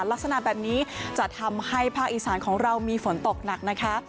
ลักษณะแบบนี้จะทำให้ภาคอีสานของเรามีฝนตกหนักนะคะ